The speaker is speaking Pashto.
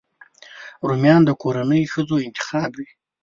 رومیان د کورنۍ ښځو انتخاب وي